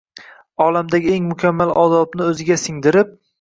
Olamdagi eng mukammal odobni o‘ziga singdirib